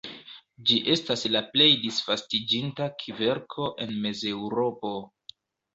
Ĝi estas la plej disvastiĝinta kverko en Mezeŭropo.